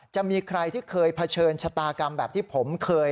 จะมีใครที่เคยเผชิญชะตากรรมแบบที่ผมเคย